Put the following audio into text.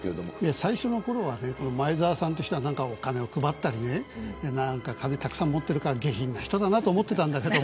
最初のころは前澤さんという人はお金を配ったり金をたくさん持ってるから下品な人だと思ってたんだけど。